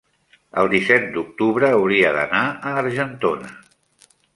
el disset d'octubre hauria d'anar a Argentona.